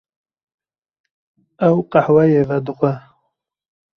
Ew qehweyê vedixwe.